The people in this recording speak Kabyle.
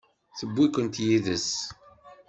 Tewwi-kent yid-s?